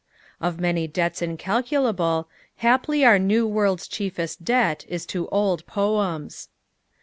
(Of many debts incalculable, Haply our New World's chieftest debt is to old poems.)